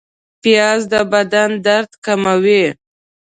پیاز د بدن درد کموي